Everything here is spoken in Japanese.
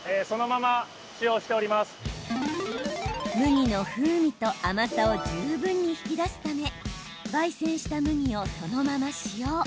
麦の風味と甘さを十分に引き出すためばい煎した麦を、そのまま使用。